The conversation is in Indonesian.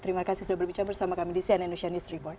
terima kasih sudah berbicara bersama kami di cnn indonesia news report